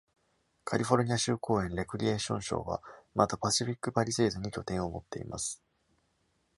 カリフォルニア州公園レクリエーション省はまた、パシフィックパリセーズに拠点を持っています。